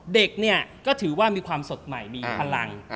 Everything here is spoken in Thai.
เด็กเนี่ยก็ถือว่ามีความสดใหม่มีพลัง